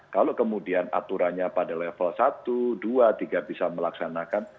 kalau kemudian aturannya pada level satu dua tiga bisa melaksanakan